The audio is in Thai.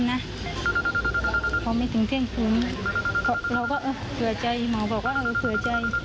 เราก็เผื่อใจหมอบอกว่าเผื่อใจ